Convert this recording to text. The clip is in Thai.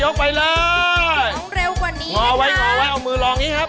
ธนยกไปเลยต้องเร็วกว่านี้นะคะงอไว้งอไว้เอามือรองนี้ครับ